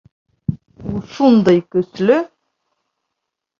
Ул шундай көслө!